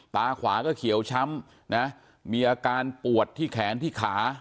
ตาขวาก็เขียวช้ำนะมีอาการปวดที่แขนที่ขา